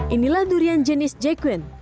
inilah durian jenis j queen